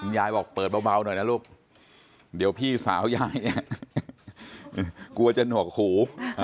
ยายบอกเปิดเบาหน่อยนะลูกเดี๋ยวพี่สาวยายเนี่ยกลัวจะหนวกหู